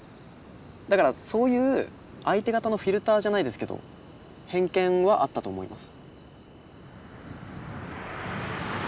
だからそういう相手方のフィルターじゃないですけど偏見はあったと思います。